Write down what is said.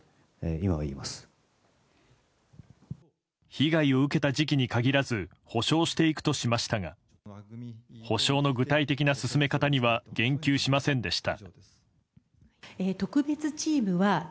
被害を受けた時期に限らず補償していくとしましたが補償の具体的な進め方には言及しませんでした。